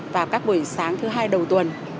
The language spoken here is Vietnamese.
buổi sáng thứ hai đầu tuần